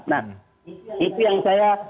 nah itu yang saya